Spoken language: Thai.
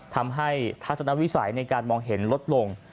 ทำให้ทัศนาวิสัยในการมองเห็นลดลง